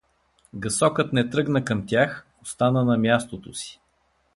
Гъсокът не тръгна към тях, остана на мястото си.